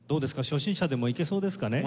初心者でもいけそうですかね？